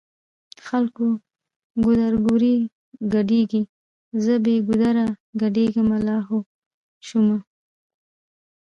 خلکه ګودرګوري ګډيږی زه بې ګودره ګډيدمه لا هو شومه